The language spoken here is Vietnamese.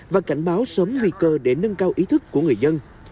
và cảnh báo sớm nguy cơ để nâng cao ý thức của người dân